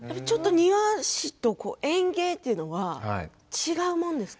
庭師と園芸というのは違うものですか？